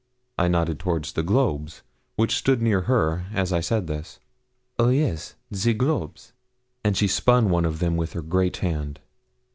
I nodded towards the globes, which stood near her, as I said this. 'Oh! yes the globes;' and she spun one of them with her great hand.